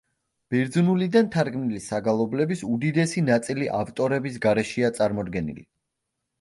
ბერძნულიდან თარგმნილი საგალობლების უდიდესი ნაწილი ავტორების გარეშეა წარმოდგენილი.